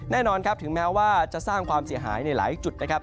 แน่นอนครับถึงแม้ว่าจะสร้างความเสียหายในหลายจุดนะครับ